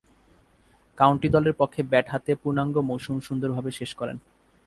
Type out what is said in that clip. County দলের পক্ষে bat হাতে পূর্ণাঙ্গ মৌসুম সুন্দরভাবে শেষ করেন।